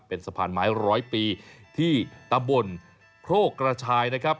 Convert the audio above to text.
เป็นสะพานไม้ร้อยปีที่ตำบลโครกกระชายนะครับ